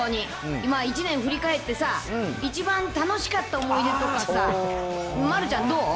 今一年振り返ってさ、一番楽しかった思い出とかさ、丸ちゃん、どう？